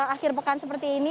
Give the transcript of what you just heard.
akhir pekan seperti ini